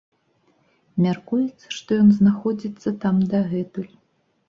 Мяркуецца, што ён знаходзіцца там дагэтуль.